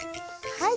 はい。